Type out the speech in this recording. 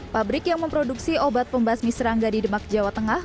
pabrik yang memproduksi obat pembasmi serangga di demak jawa tengah